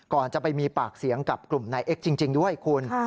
ก่อนจะไปมีปากเสียงกับกลุ่มนายเอ็กซ์จริงด้วยคุณ